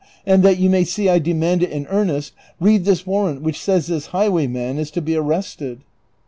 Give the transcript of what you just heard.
and that you may see I demand it in ear nest, read this warrant which says this highwayman is to be arrested."